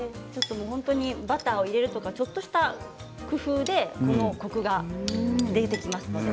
バターを入れるとかちょっとした工夫でコクが出てきますので。